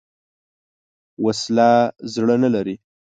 وسله زړه نه لري